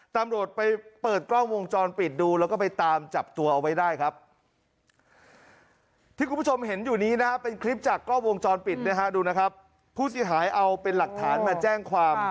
ตามรวดไปเปิดกล้องวงจรปิดดูแล้วก็ไปตามจับตัวเอาไว้ได้ครับ